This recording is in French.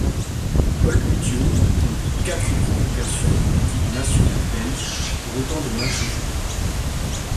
Paul Bouttiau compte quatre convocations en équipe nationale belge, pour autant de matches joués.